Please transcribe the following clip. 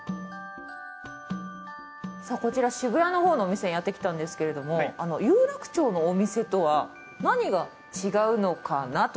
さあこちら渋谷のほうのお店にやってきたんですけれども有楽町のお店とは何が違うのかなと。